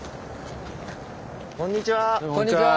こんにちは。